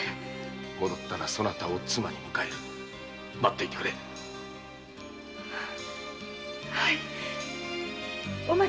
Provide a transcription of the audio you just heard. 戻ったらそなたを妻に迎え待っていてくれお待ちします